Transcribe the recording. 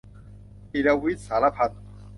จิรวิทย์ สาระพันธ์